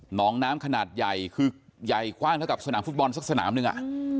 หนองน้ำขนาดใหญ่คือยายความเหลือกับสนามฟุฟบอลสักสนามนึงอ่ะ